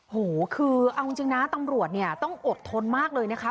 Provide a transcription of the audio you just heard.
โหคือเอาจริงนะตำรวจเนี่ยต้องอดทนมากเลยนะคะ